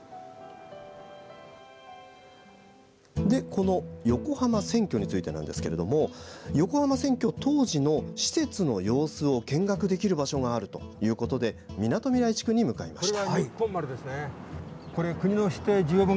この横浜船きょについてですが横浜船きょ当時の施設の様子を見学できる場所があるということでみなとみらい地区に向かいました。